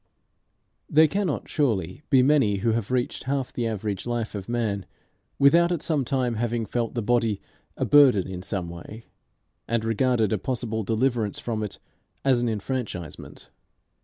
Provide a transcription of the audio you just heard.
There cannot surely be many who have reached half the average life of man without at some time having felt the body a burden in some way, and regarded a possible deliverance from it as an enfranchisement.